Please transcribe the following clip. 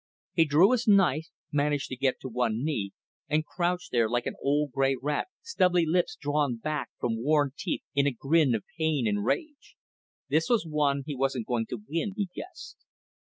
He drew his knife, managed to get to one knee, and crouched there like an old gray rat, stubbly lips drawn back from worn teeth in a grin of pain and rage. This was one he wasn't going to win, he guessed.